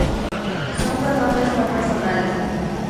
Son pronombres no personales.